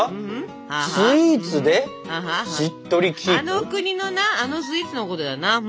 あの国のなあのスイーツのことだな。